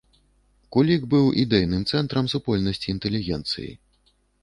Кулік быў ідэйным цэнтрам супольнасці інтэлігенцыі.